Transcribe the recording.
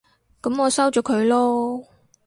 噉我收咗佢囉